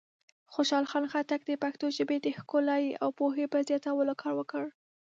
خوشحال خان خټک د پښتو ژبې د ښکلایۍ او پوهې پر زیاتولو کار وکړ.